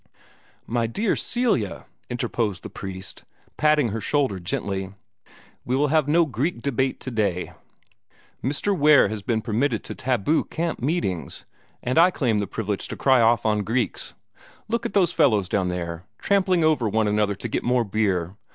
"My dear Celia," interposed the priest, patting her shoulder gently, "we will have no Greek debate today. Mr. Ware has been permitted to taboo camp meetings, and I claim the privilege to cry off on Greeks. Look at those fellows down there, trampling over one another to get more beer.